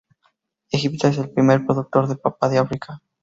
Egipto es el primer productor de papa de África.